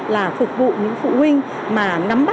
là phục vụ những phụ huynh mà ngắm bắt